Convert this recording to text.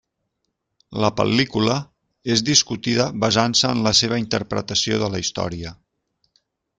La pel·lícula és discutida basant-se en la seva interpretació de la història.